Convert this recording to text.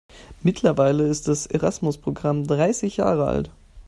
Mittlerweile ist das Erasmus-Programm dreißig Jahre alt.